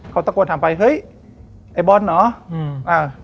เขาตะโกนถามไปเฮ้ยไอ้บอสเหรอ